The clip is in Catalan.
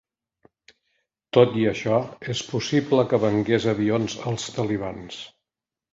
Tot i això, és possible que vengués avions als talibans.